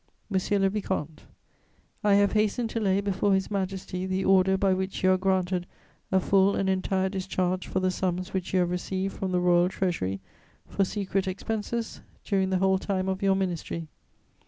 "MONSIEUR LE VICOMTE, "I have hastened to lay before His Majesty the Order by which you are granted a full and entire discharge for the sums which you have received from the Royal Treasury, for secret expenses, during the whole time of your ministry.